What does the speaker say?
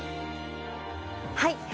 はい。